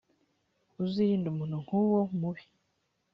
uzirinde umuntu nk’uwo mubi.